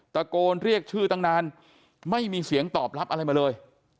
ตะโกนเรียกชื่อตั้งนานไม่มีเสียงตอบรับอะไรมาเลย